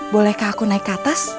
bolehkah aku naik ke atas